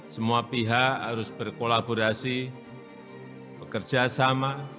semua pihak harus berkolaborasi bekerja sama